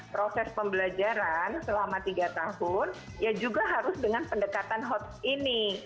proses pembelajaran selama tiga tahun ya juga harus dengan pendekatan hots ini